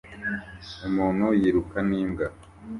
Umuntu yiruka n'imbwa